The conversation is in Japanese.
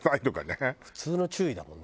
普通の注意だもんね。